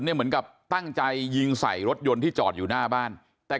เหมือนกับตั้งใจยิงใส่รถยนต์ที่จอดอยู่หน้าบ้านแต่